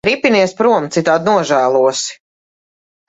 Ripinies prom, citādi nožēlosi.